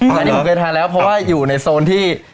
กริกปัดทันแล้วเพราะว่าอยู่ในโซนที่